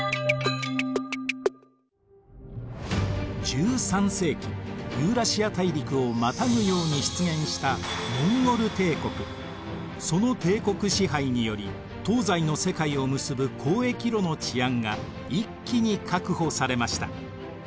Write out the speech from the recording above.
１３世紀ユーラシア大陸をまたぐように出現したその帝国支配により東西の世界を結ぶ交易路の治安が一気に確保されました。